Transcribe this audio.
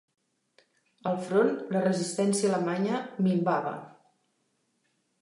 Al front, la resistència alemanya minvava.